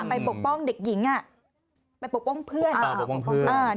ไปปกป้องเด็กหญิงอ่ะไปปกป้องเพื่อนอ่าปกป้องเพื่อน